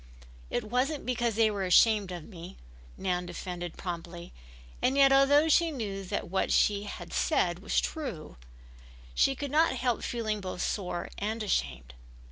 "It wasn't because they were ashamed of me," Nan defended promptly, and yet although she knew that what she had said was true she could not help feeling both sore and ashamed.